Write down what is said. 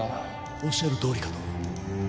おっしゃるとおりかと。